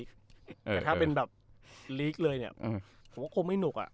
แต่ถ้าเป็นแบบลีกเลยเนี่ยผมว่าคงไม่หนุกอ่ะ